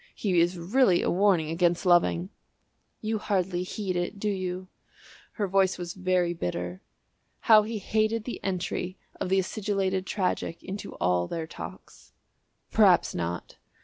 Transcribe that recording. He is really a warning against loving." "You hardly heed it, do you?" Her voice was very bitter. How he hated the entry of the acidulated tragic into all their talks. "Perhaps not."